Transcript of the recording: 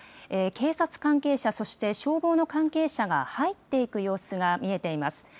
警察関係者、そして、消防の関係者が入っていく様子が見えています。